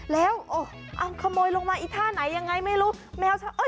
แล้วเอาขโมยลงมาไอ้ท่าไหนยังไงไม่รู้